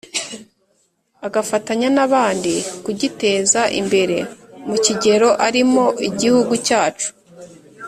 Agafatanya n abandi kugiteza imbere mu kigero arimo igihugu cyacu